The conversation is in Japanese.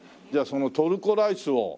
じゃあそのトルコライスを。